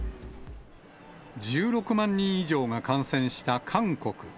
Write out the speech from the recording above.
１６万人以上が感染した韓国。